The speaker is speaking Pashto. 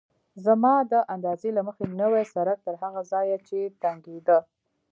زما د اندازې له مخې نوی سړک تر هغه ځایه چې تنګېده.